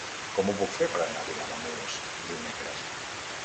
Com ho puc fer per anar a Vilademuls dimecres?